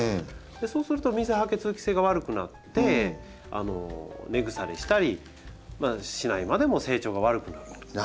そうすると水はけ通気性が悪くなって根腐れしたりまあしないまでも成長が悪くなるんです。